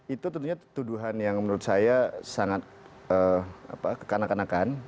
itu tentunya tuduhan yang menurut saya sangat kekanakan kanakan